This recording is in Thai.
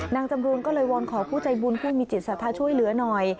นางจำรูนก็เลยวอนขอผู้ใจบุญผู้มีจิตศรัทธาช่วยเหลือหน่อย